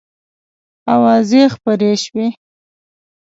آوازې خپرې شوې.